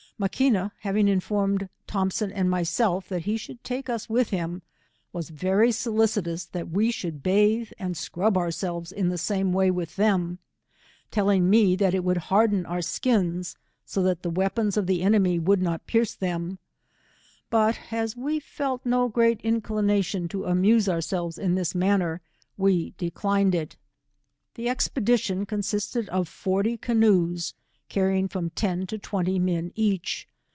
Maquina having iiiformed Thompson and myself that he gliould take us \\ith him, was very solicitous that he should bathe and scrub cur selves in the sunie way with them, teliing me that 149 it would harden our skins, so that the weapons of the enemy would not pierce them, but as we felt no great inclination to amuse ourselves in this manner, we declined it. The expedition consisted of forty canoes, carrying from ten to twenty men each.